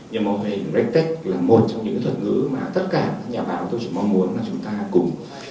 nhờ mô hình regtech là một trong những thuật ngữ mà tất cả các nhà báo tôi chỉ mong muốn là chúng ta cùng